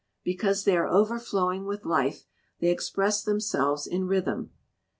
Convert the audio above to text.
Because they are overflowing with life they express themselves in rhythm.